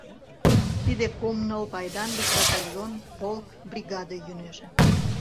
Тиде кум-ныл пайдан гыч батальон, полк, бригаде йӱнеже.